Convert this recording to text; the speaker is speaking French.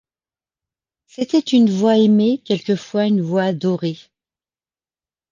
C’était une voix aimée, quelquefois une voix adorée.